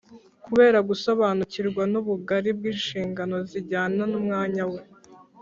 kubera gusobanukirwa n’ubugari bw’inshingano zijyana n’umwanya we